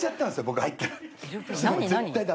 僕入ったら。